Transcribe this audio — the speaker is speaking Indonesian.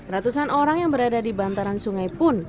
ratusan orang yang berada di bantaran sungai pun